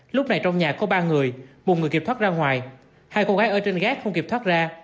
lúc này trong nhà có ba người một người kịp thoát ra ngoài hai cô gái ở trên gác không kịp thoát ra